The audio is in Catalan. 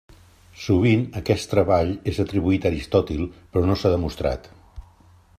Sovint aquest treball és atribuït a Aristòtil però no s'ha demostrat.